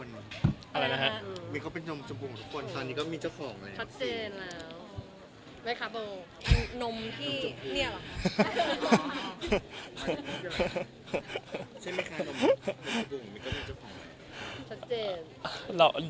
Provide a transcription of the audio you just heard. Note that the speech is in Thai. ใช่มั้ยคะตอนนี้ก็เป็นเจ้าของไหม